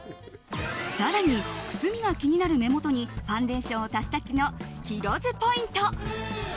更にくすみが気になる目元にファンデーションを足す時のヒロ’ｓポイント。